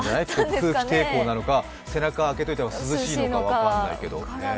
空気抵抗なのか、背中開けといた方が涼しいのか分からないけど。